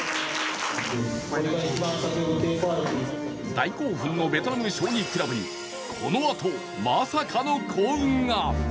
大興奮のベトナム将棋倶楽部にこのあと、まさかの幸運が。